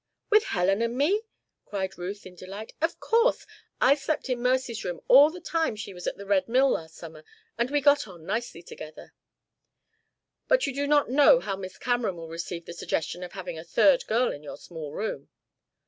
"With Helen and me!" cried Ruth, in delight. "Of course, I slept in Mercy's room all the time she was at the Red Mill last summer, and we got on nicely together." "But you do not know how Miss Cameron will receive the suggestion of having a third girl in your small room?"